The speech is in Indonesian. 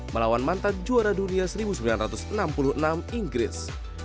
melawan mantan juara dunia seribu sembilan ratus enam puluh enam inggris